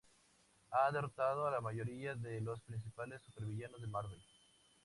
Ha derrotado a la mayoría de los principales super villanos de Marvel.